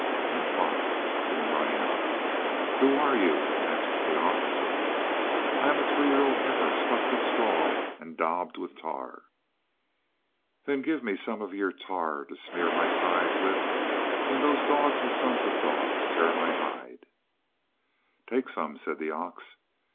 Then a fox came running up. "Who are you?" it asked the ox. "I'm a three year old heifer, stuffed with straw and daubed with tar." "Then give me some of your tar to smear my sides with, when those dogs and sons of dogs tear my hide!" "Take some," said the ox.